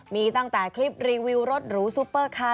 มีตั้งแต่คลิปรีวิวรถหรูซุปเปอร์คาร์